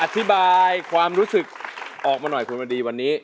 อธิบายความรู้สึกออกมาหน่อยคุณวันดีวันนี้